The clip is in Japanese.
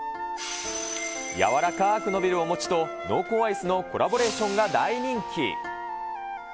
柔らかく伸びるお餅と濃厚アイスのコラボレーションが大人気。